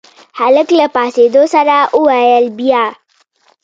هلک له پاڅېدو سره وويل بيا.